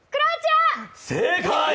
正解！